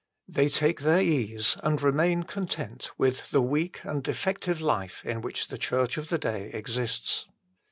They take their ease and remain content with the weak and defective life in which the Church of the day exists.